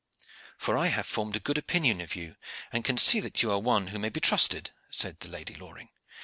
"For I have formed a good opinion of you, and can see that you are one who may be trusted," said the Lady Loring.